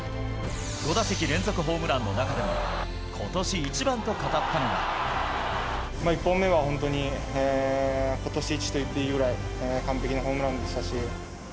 ５打席連続ホームランの中でも、１本目は本当に、ことしいちと言っていいぐらい完璧なホームランでしたし。